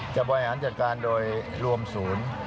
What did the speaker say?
บริหารจัดการโดยรวมศูนย์